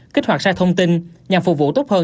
kích hoạt sai thông tin nhằm phục vụ tốt hơn